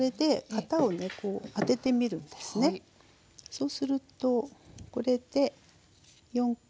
そうするとこれで４コ。